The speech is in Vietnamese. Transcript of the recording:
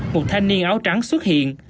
một thanh niên áo trắng xuất hiện